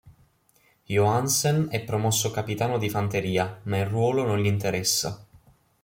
Johansen è promosso capitano di fanteria, ma il ruolo non gli interessa.